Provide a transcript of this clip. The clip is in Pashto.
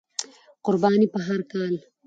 قرباني په هر کال،